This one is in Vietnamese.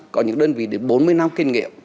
có những đơn vị đến bốn mươi năm kinh nghiệm